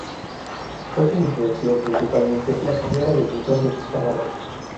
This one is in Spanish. Fue quien influenció, principalmente, la carrera de pintor de Gustav-Adolf.